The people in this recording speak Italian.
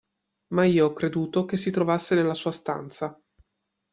Ma io ho creduto che si trovasse nella sua stanza.